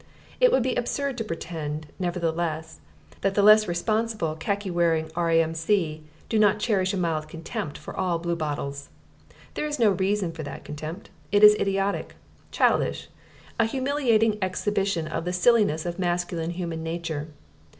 It would be absurd to pretend, nevertheless, that the less responsible khaki wearing R.A.M.C. do not cherish a mild contempt for all Bluebottles. There is no reason for that contempt. It is idiotic, childish a humiliating exhibition of the silliness of masculine human nature.